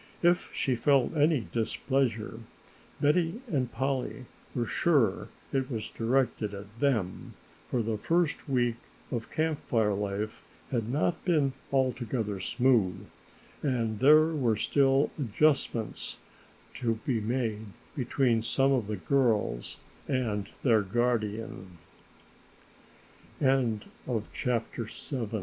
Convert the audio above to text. If she felt any displeasure, Betty and Polly were sure it was directed toward them, for the first week of Camp Fire life had not been altogether smooth and there were still adjustments to be made between some of the girls and their guardian. CHAPTER VIII OTHER